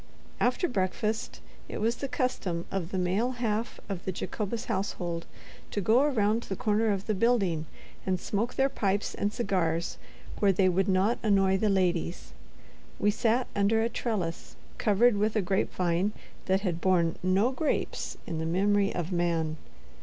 After breakfast, it was the custom of the male half of the Jacobus household to go around the corner of the building and smoke their pipes and cigars where they would not annoy the ladies. We sat under a trellis covered with a grapevine that had borne no grapes in the memory of man.